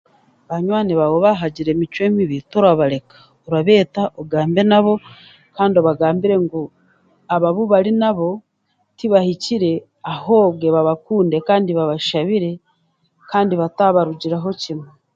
Banywani baawe baahagira emicwe mibi, t'orabareka. Orabeegyesa, ogambe nabo, kandi obagambire ngu abo abu bari nabo tibahikire ahoobwe babakunde kandi babashabire kandi bataabarugiraho kimwe.